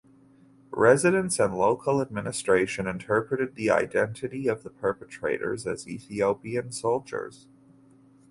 Residents and local administration interpreted the identity of the perpetrators as Ethiopian soldiers.